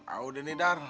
ah udah nih dar